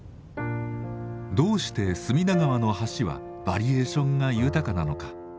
どうして隅田川の橋はバリエーションが豊かなのか。